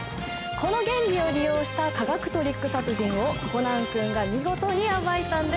この原理を利用した科学トリック殺人をコナン君が見事に暴いたんです。